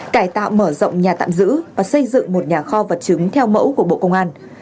cải tạo mở rộng nhà tạm giữ và xây dựng một nhà kho vật chứng theo mẫu của bộ công an